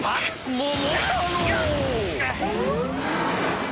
もう！